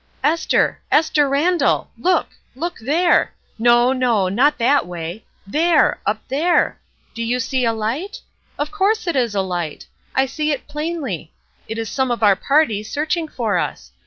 "Esther! Esther Randall, look! look there! No, no ! not that way ! There ! up there ! Do you see a hght ? Of course it is a hght 1 I see it plainly. It is some of our party, searching for us.